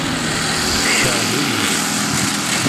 Tekṛeh-iyi.